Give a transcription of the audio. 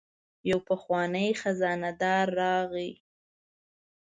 یو پخوانی خزانه دار راغی.